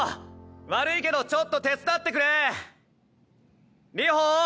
悪いけどちょっと手伝ってくれ！流星！